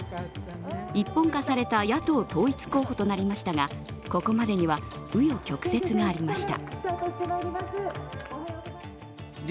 一本化された野党統一候補となりましたがここまでには紆余曲折がありました。